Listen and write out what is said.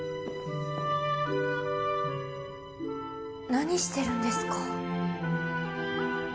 何してるんですか？